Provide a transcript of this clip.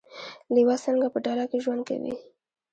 لیوه څنګه په ډله کې ژوند کوي؟